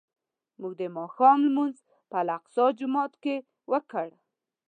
موږ د ماښام لمونځ په الاقصی جومات کې وکړ.